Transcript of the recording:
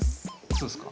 そうですか？